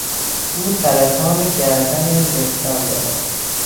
او سرطان گردن زهدان دارد.